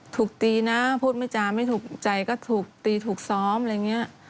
ถูกตีนะพูดไม่จาไม่ถูกใจก็ถูกตีถูกซ้อมอะไรอย่างนี้